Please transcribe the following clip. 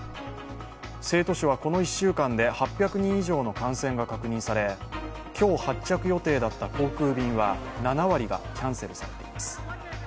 成都市はこの１週間で８００人以上の感染が確認され今日発着予定だった航空便は７割がキャンセルされています。